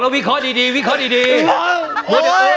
ไม่เป็นไรเดี๋ยวมาใหม่